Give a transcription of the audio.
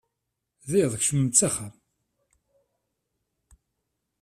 D iḍ, kecmemt s axxam.